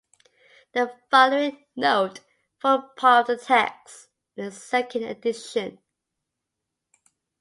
The following note formed part of the text in the second edition.